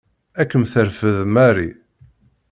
Ad kem-terfed Mary.